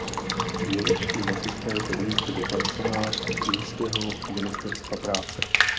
Němečtí nacisté zde umístili kanceláře Říšského ministerstva práce.